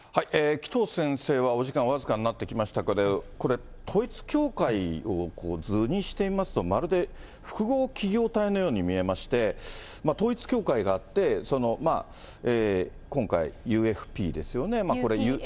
紀藤先生はお時間僅かになってきましたけど、これ、統一教会を図にしてみますと、まるで複合企業体のように見えまして、統一教会があって、今回、ＵＦＰですよね。